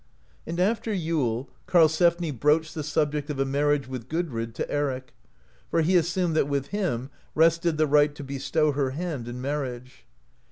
And after Yule Karlsefni broached the subject of a marriage with Gudrid to Eric, for he assumed that with him rested the right to bestow her hand in marriage.